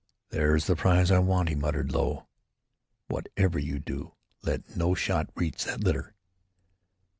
"There's the prize I want," he muttered low. "Whatever you do, let no shot reach that litter.